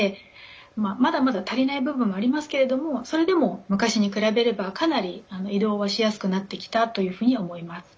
まあまだまだ足りない部分はありますけれどもそれでも昔に比べればかなり移動はしやすくなってきたというふうに思います。